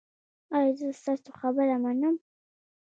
ایا زه ستاسو خبره منم؟